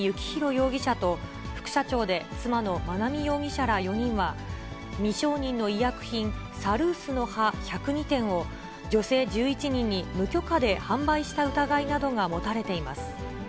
容疑者と、副社長で妻の茉奈美容疑者ら４人は、未承認の医薬品、サルースの葉１０２点を、女性１１人に無許可で販売した疑いなどが持たれています。